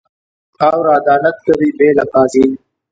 خاوره عدالت کوي، بې له قاضي.